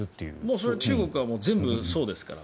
それは中国は全部そうですから。